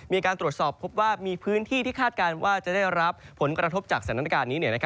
มีการตรวจสอบพบว่ามีพื้นที่ที่คาดการณ์ว่าจะได้รับผลกระทบจากสถานการณ์นี้